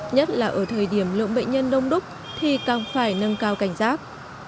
nhất là ở thời điểm lượng bệnh nhân đông đúc thì càng phải nâng cao cảnh giác